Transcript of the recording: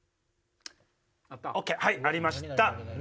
ＯＫはいありました